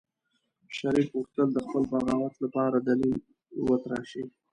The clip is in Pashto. شريف غوښتل د خپل بغاوت لپاره دليل وتراشي.